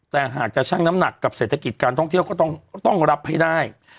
แต่หากจะชั่งน้ำหนักกับเศรษฐกิจการท่องเที่ยวก็ต้องรับให้ได้